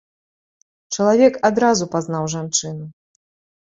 Чалавек адразу пазнаў жанчыну.